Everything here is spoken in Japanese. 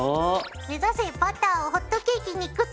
目指せバターをホットケーキにくっつける。